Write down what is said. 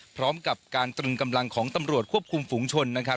พร้อมกับการตรึงกำลังของตำรวจควบคุมฝุงชนนะครับ